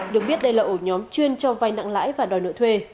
được biết đây là ổ nhóm chuyên cho vay nặng lãi và đòi nợ thuê